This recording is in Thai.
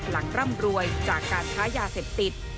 ร่ำรวยจากการค้ายาเสพติด